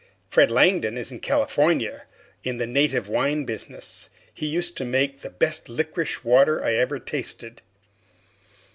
Fred Langdon is in California, in the native wine business he used to make the best licorice water I ever tasted!